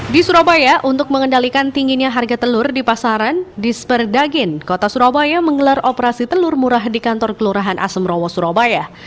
di surabaya untuk mengendalikan tingginya harga telur di pasaran disperdagin kota surabaya menggelar operasi telur murah di kantor kelurahan asemrowo surabaya